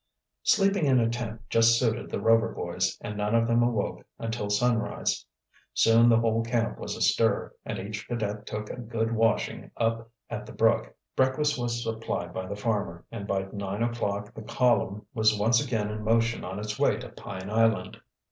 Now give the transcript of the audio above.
Sleeping in a tent just suited the Rover boys and none of them awoke until sunrise. Soon the whole camp was astir, and each cadet took a good washing up at the brook. Breakfast was supplied by the farmer, and by nine o'clock the column was once again in motion on its way to Pine Island.